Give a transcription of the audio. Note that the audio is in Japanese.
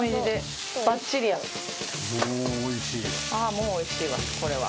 もう、おいしいわこれは。